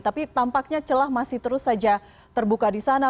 tapi tampaknya celah masih terus saja terbuka di sana